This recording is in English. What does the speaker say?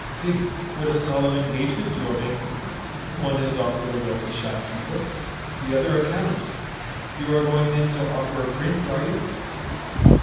think what a solemn engagement you are making; one has offered a wealthy shopkeeper, the other a count; you are going, then, to offer a prince, are you?"